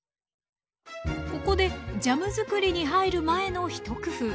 ここでジャム作りに入る前の一工夫。